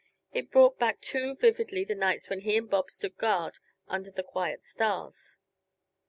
It brought back too vividly the nights when he and Bob stood guard under the quiet stars.